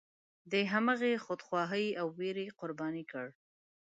د همغې خودخواهۍ او ویرې قرباني کړ.